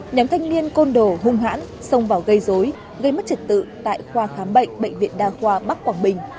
nhóm thanh niên côn đồ hung hãn xông vào gây dối gây mất trật tự tại khoa khám bệnh bệnh viện đa khoa bắc quảng bình